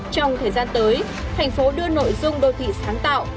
trong thời gian tới thành phố đưa nội dung đô thị sáng tạo